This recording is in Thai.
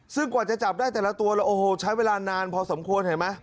ซึ่งกว่าจะจับได้แต่ละตัวแล้วโอ้โหใช้เวลานานพอสมควรเห็นไหม